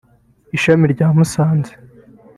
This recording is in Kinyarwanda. ishami rya Musanze